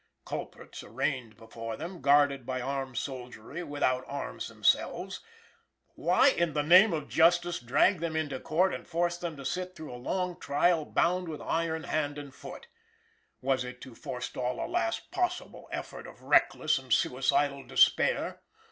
Culprits arraigned before them, guarded by armed soldiery, without arms themselves why, in the name of justice, drag them into Court and force them to sit through a long trial, bound with iron, hand and foot? Was it to forestall a last possible effort of reckless and suicidal despair?